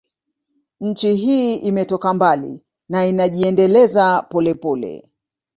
Nchi hii imetoka mbali na inajiendeleza polepole